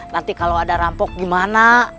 nanti kalau ada rampok gimana